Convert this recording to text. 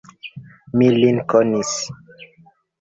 Mi lin konis.